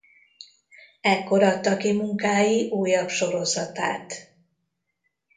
Ekkor adta ki munkái újabb sorozatát.